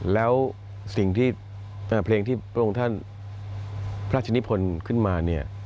แล้วเพลงที่พระองค์ท่านพระชนิพพลขึ้นมา